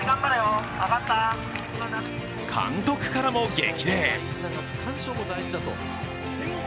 監督からも激励。